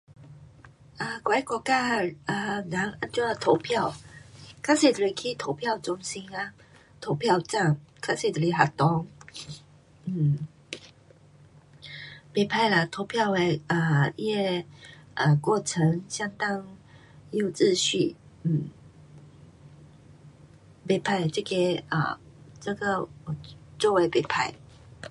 啊，我的国家，啊，人怎样投票。较多就是去投票中心啊。投票站较多就是学堂。um 不错啦，投票的，啊它的啊， um 不错这个 做得不错。